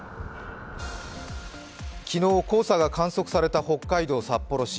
昨日、黄砂が観測された北海道札幌市。